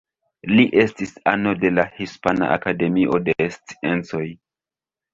Li estis ano de la Hispana Akademio de Sciencoj.